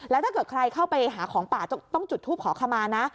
แล้วถ้าเกิดใครเข้าไปหาของป่าต้องจุดทูปขอขมานะ